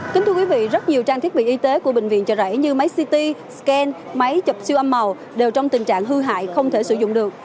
kính thưa quý vị rất nhiều trang thiết bị y tế của bệnh viện chợ rẫy như máy city scan máy chụp siêu âm màu đều trong tình trạng hư hại không thể sử dụng được